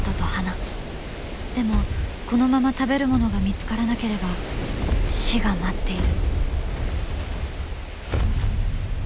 でもこのまま食べるものが見つからなければ死が待っている。